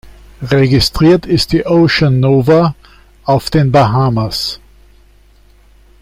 Registriert ist die "Ocean Nova" auf den Bahamas.